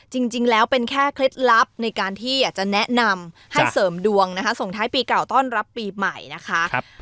จริงแล้วเป็นแค่เคล็ดลับในการที่อยากจะแนะนำให้เสริมดวงนะคะส่งท้ายปีเก่าต้อนรับปีใหม่นะคะ